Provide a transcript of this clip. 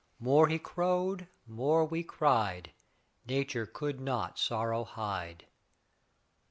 More he crowed, more we cried. Nature could not sorrow hide.